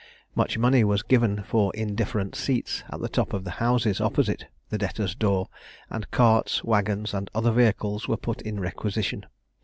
Much money was given for indifferent seats at the top of the houses opposite the Debtors' Door; and carts, waggons, and other vehicles were put in requisition.